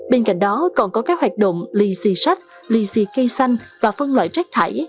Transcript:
bên cạnh đó còn có các hoạt động lì xì sách lì xì cây xanh và phân loại rác thải